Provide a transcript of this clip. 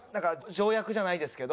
条約じゃないですけど。